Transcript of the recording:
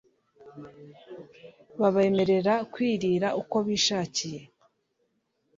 Babemerera kwirira uko bishakiye